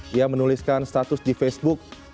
dia menuliskan status di facebook